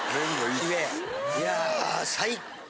いや最高！